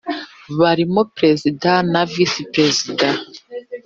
barimo perezida na visi perezida